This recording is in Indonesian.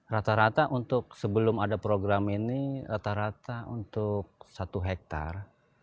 rata rata untuk sebelum ada program ini rata rata untuk satu hektare